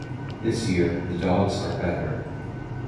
This year, the dogs are better.